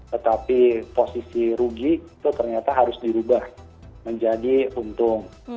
tetapi posisi rugi itu ternyata harus dirubah menjadi untung